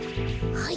はい。